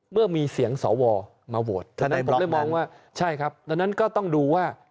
เมื่อมีเสียงสอวรมาโหวตถ้านั้นก็ต้องดูว่า